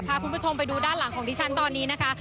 พาคุณผู้ชมไปดูด้านหลังของดิฉันตอนนี้นะคะ